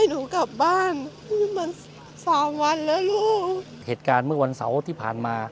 งานหลัง